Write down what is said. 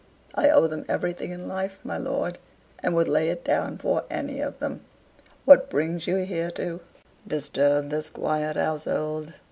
I owe them everything in life, my lord; and would lay it down for any one of them. What brings you here to disturb this quiet household?